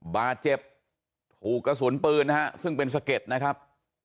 บาดเจ็บถูกกระสุนปืนนะฮะซึ่งเป็นสะเก็ดนะครับ